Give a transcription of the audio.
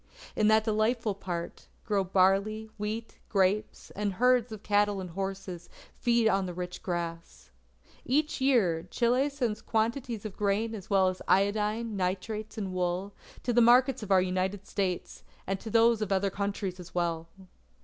In that delightful part, grow barley, wheat, grapes; and herds of cattle and horses feed on the rich grass. Each year, Chile sends quantities of grain as well as of iodine, nitrates, and wool, to the markets of our United States, and to those of other countries as well.